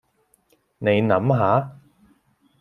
你諗下